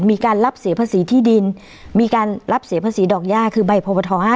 มีการรับเสียภาษีที่ดินมีการรับเสียภาษีดอกย่าคือใบพบท๕๗